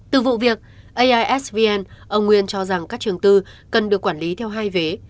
từ vụ việc aisvn ông nguyên cho rằng các trường tư cần được quản lý theo hai vé